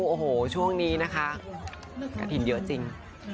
โอ้โหช่วงนี้นะคะกระถิ่นเยอะจริง